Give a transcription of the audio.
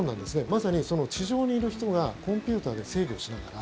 まさに地上にいる人がコンピューターで制御しながら。